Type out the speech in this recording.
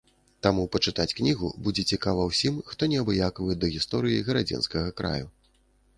Таму пачытаць кнігу будзе цікава ўсім, хто неабыякавы да гісторыі гарадзенскага краю.